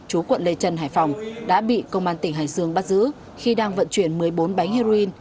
chú quận lê trân hải phòng đã bị công an tỉnh hải dương bắt giữ khi đang vận chuyển một mươi bốn bánh heroin